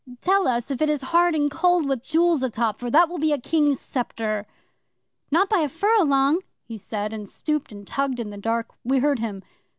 "Tell us if it is hard and cold, with jewels atop. For that will be a King's Sceptre." '"Not by a furrow long," he said, and stooped and tugged in the dark. We heard him.